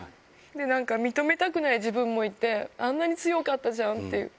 なんか認めたくない自分もいて、あんなに強かったじゃんっていう。